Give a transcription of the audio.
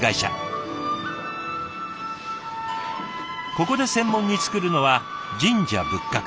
ここで専門につくるのは神社仏閣。